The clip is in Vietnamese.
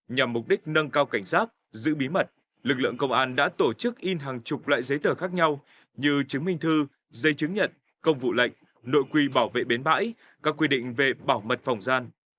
nhằm mục đích nâng cao cảnh giác giữ bí mật lực lượng công an đã tổ chức in hàng chục loại giấy tờ khác nhau như chứng minh thư giấy chứng nhận công vụ lệnh nội quy bảo vệ bến bãi các quy định về bảo mật phòng gian